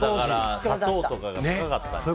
砂糖とかが高かったんだ。